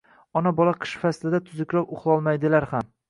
Ona-bola qish faslida tuzukroq uxlolmaydilar ham